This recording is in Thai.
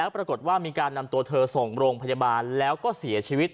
ปรากฏว่ามีการนำตัวเธอส่งโรงพยาบาลแล้วก็เสียชีวิต